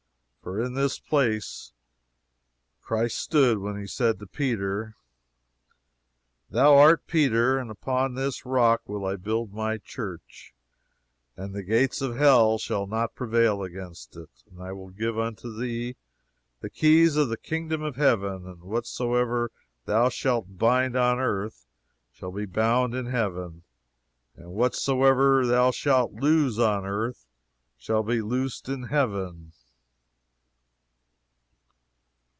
For in this place Christ stood when he said to Peter: "Thou art Peter; and upon this rock will I build my church, and the gates of hell shall not prevail against it. And I will give unto thee the keys of the Kingdom of Heaven; and whatsoever thou shalt bind on earth shall be bound in heaven, and whatsoever thou shalt loose on earth shall be loosed in heaven."